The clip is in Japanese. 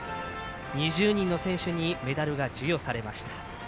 ２０人の選手にメダルが授与されました。